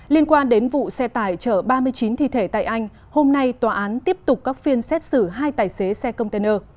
liên quan đến vụ xe tải chở ba mươi chín thi thể tại anh hôm nay tòa án tiếp tục các phiên xét xử hai tài xế xe container